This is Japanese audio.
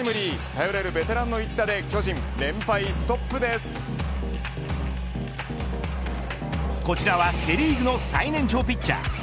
頼れるベテランの一打でこちらはセ・リーグの最年長ピッチャー